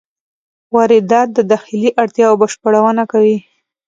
واردات د داخلي اړتیاوو بشپړونه کوي.